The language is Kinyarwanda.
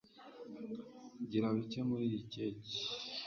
gira bike muriyi keke